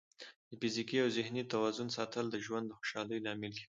د فزیکي او ذهني توازن ساتل د ژوند د خوشحالۍ لامل ګرځي.